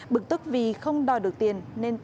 bực tức vì không đòi được tiền